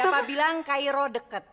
ya pak bilang cairo deket